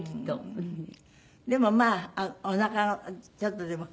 でもまあおなかがちょっとでも。